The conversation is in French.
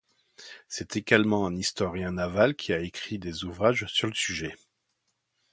C'est également un historien naval qui a écrit des ouvrages sur le sujet.